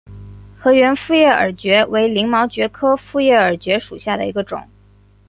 河源复叶耳蕨为鳞毛蕨科复叶耳蕨属下的一个种。